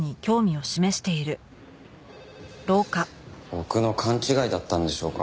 僕の勘違いだったんでしょうか？